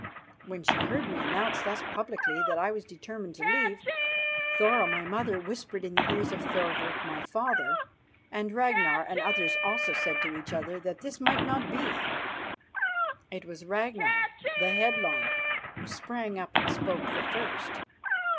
When she heard me announce thus publicly that I was determined to leave them, Thora, my mother, whispered in the ears of Thorvald, my father, and Ragnar and others also said to each other that this might not be. It was Ragnar, the headlong, who sprang up and spoke the first.